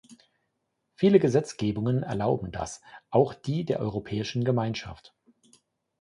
Viele Gesetzgebungen erlauben das, auch die der Europäischen Gemeinschaft.